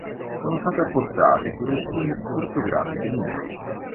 Sono state apportate correzioni ortografiche minori.